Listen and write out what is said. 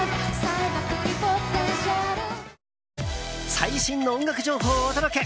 最新の音楽情報をお届け！